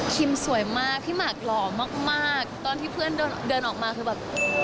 สวยมากพี่หมากหล่อมากตอนที่เพื่อนเดินออกมาคือแบบ